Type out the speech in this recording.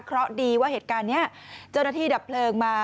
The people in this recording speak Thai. เพราะดีว่าเหตุการณ์นี้เจ้าหน้าที่ดับเพลิงมา